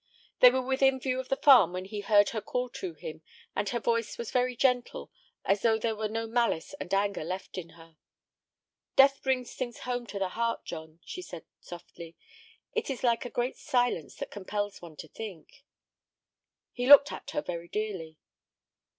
They were within view of the farm when he heard her call to him, and her voice was very gentle, as though there were no malice and anger left in her. "Death brings things home to the heart, John," she said, softly; "it is like a great silence that compels one to think." He looked at her very dearly.